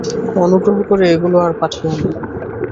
অনুগ্রহ করে ওগুলি আর পাঠিও না।